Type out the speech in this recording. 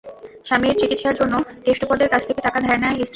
স্বামীর চিকিৎসার জন্য কেষ্টপদের কাছ থেকে টাকা ধার নেয় স্ত্রী বুলু।